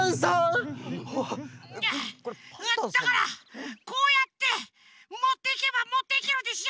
だからこうやってもっていけばもっていけるでしょ！